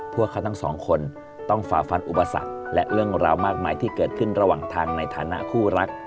พวกเขาทั้งสองคนต้องฝ่าฟันอุปสรรคและเรื่องราวมากมายที่เกิดขึ้นระหว่างทางในฐานะคู่รัก